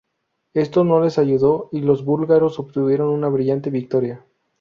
Esto no los ayudó y los búlgaros obtuvieron una brillante victoria.